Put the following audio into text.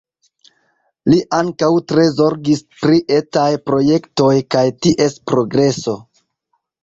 Li ankaŭ tre zorgis pri etaj projektoj kaj ties progreso.